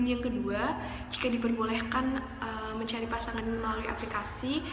yang kedua jika diperbolehkan mencari pasangan melalui aplikasi